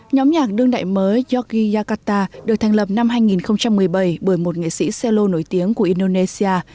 nhóm nhạc đương đại mới yogi akata được thành lập năm hai nghìn một mươi bảy bởi một nghệ sĩ xe lô nổi tiếng của indonesia